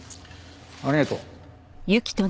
ありがとう。